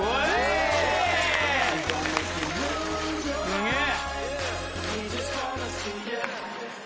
すげえ！